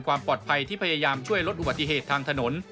ความปลอดภัยที่พยายามช่วยลดอุบัติเหตุทางถนน